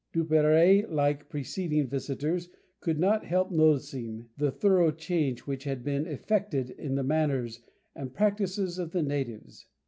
Duperrey, like preceding visitors, could not help noticing the thorough change which had been effected in the manners and practices of the natives.